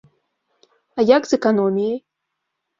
А як з эканоміяй?